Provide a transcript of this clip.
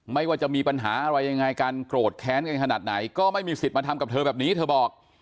ไม่ว่าจะมีปัญหาอะไรยังไงกันโกรธแค้นกันขนาดไหนก็ไม่มีสิทธิ์มาทำกับเธอแบบนี้เธอบอก